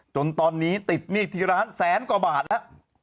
จนตอนนี้ติดหนี้ที่ร้านแสนกว่าบาทแล้ว